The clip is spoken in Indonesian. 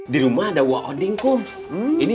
di rumah ada uang odeng akum